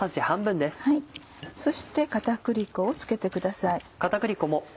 そして片栗粉を付けてください。